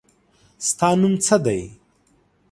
ستا نوم څه دی؟